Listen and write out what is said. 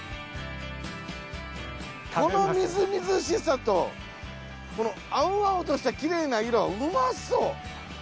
このみずみずしさとこの青々としたきれいな色うまそう！